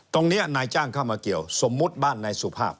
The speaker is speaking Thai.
นายจ้างเข้ามาเกี่ยวสมมุติบ้านนายสุภาพ